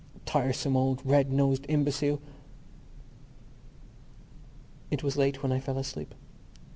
Tiresome old red nosed imbecile! It was late when I fell asleep.